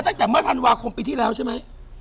มันเป็นจากเมื่อทันวาคมปีที่แล้วใช่ไหม